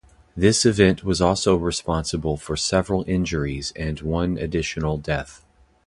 This event was also responsible for several injuries and one additional death.